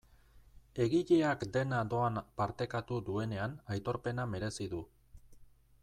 Egileak dena doan partekatu duenean aitorpena merezi du.